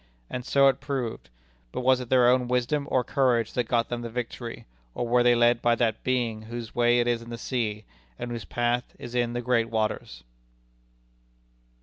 And so it proved. But was it their own wisdom or courage that got them the victory, or were they led by that Being whose way is in the sea, and whose path is in the great waters?